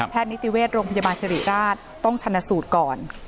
แพทย์นิติเวทย์โรงพยาบาลจริราชต้องชันนสูตรก่อน